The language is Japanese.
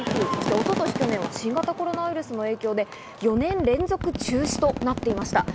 一昨年、去年は新型コロナウイルスの影響で４年連続中止となっていました。